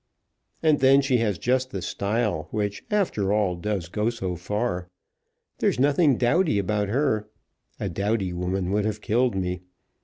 "And then she has just the style which, after all, does go so far. There's nothing dowdy about her. A dowdy woman would have killed me.